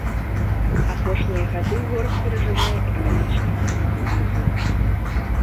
Апошнія гады горад перажывае эканамічны і культурны бум.